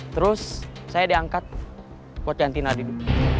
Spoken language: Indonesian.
terus saya diangkat buat gantiin adidu